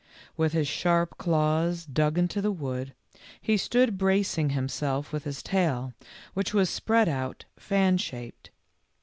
With his sharp claws dug into the wood, he stood bracing himself with his tail, which was spread out fan shaped.